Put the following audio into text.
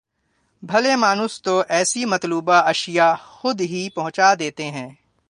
بھلے مانس تو ایسی مطلوبہ اشیاء خود ہی پہنچا دیتے ہیں۔